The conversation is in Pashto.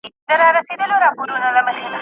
د سرتوري به کور وران وي پر اوربل به یې اور بل وي